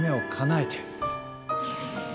え。